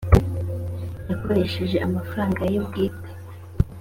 yakoresheje amafaranga ye bwite.